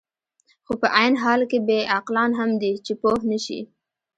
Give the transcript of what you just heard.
خو په عین حال کې بې عقلان هم دي، چې پوه نه شي.